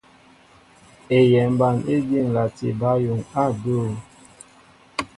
Eyɛmba éjí ǹlati bǎyuŋ á adʉ̂.